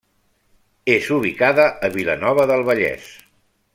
És ubicada a Vilanova del Vallès.